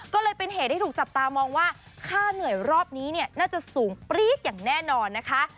ก็เลยเป็นเหตุที่ถูกจับตามองว่าค่าเหนื่อยรอบนี้เนี่ยน่าจะสูงปรี๊ดอย่างแน่นอนนะคะ